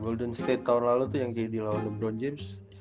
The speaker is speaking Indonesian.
golden state tahun lalu tuh yang kd lawan lebron james